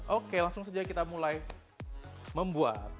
oke langsung saja kita mulai membuat